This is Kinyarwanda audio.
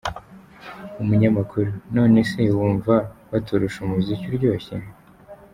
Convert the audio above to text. Umunyamakuru: None se wumva baturusha umuziki uryoshye?.